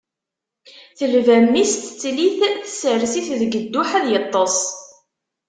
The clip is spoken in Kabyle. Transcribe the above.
Telba mmi-s, tettel-it, tsers-it deg dduḥ ad yeṭṭes.